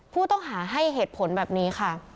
ผู้ต้องหาให้เหตุผลแบบนี้ค่ะ